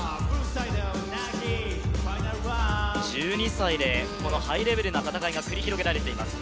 １２歳でこのハイレベルな戦いが繰り広げられています。